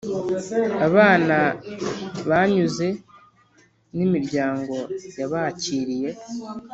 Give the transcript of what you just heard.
Abana banyuze nimiryango yabakiriye